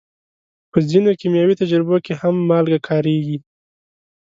په ځینو کیمیاوي تجربو کې هم مالګه کارېږي.